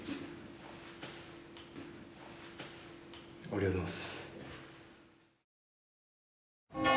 ありがとうございます。